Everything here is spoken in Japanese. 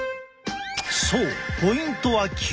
そうポイントは休憩。